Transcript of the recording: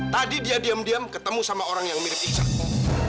tadi dia diam diam ketemu sama orang yang mirip ihsanmu